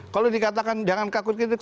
kalau dikatakan jangan takut mengkritik